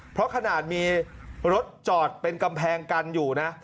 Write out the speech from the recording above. เพราะขนาดมีรถจอดเป็นกำแพงกันอยู่นะ